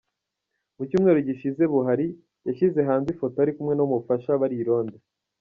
Mu cyumweru gishize Buhari yashyize hanze ifoto ari kumwe n’abamufasha bari i Londres.